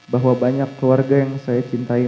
bahwa banyak keluarga yang saya cintai